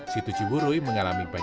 situ ciburui mengalami kecemasan